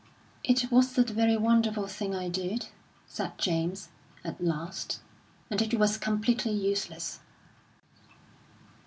"It wasn't a very wonderful thing I did," said James, at last, "and it was completely useless."